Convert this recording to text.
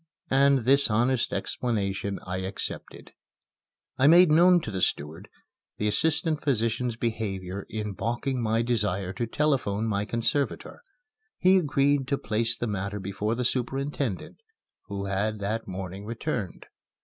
And this honest explanation I accepted. I made known to the steward the assistant physician's behavior in balking my desire to telephone my conservator. He agreed to place the matter before the superintendent, who had that morning returned.